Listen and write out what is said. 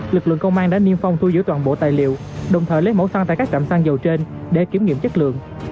lực lượng công an đã niêm phong thu giữ toàn bộ tài liệu đồng thời lấy mẫu xăng tại các trạm xăng dầu trên để kiểm nghiệm chất lượng